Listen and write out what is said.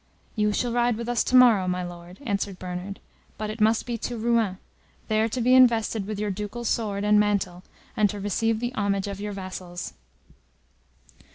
"You shall ride with us to morrow, my Lord," answered Bernard, "but it must be to Rouen, there to be invested with your ducal sword and mantle, and to receive the homage of your vassals."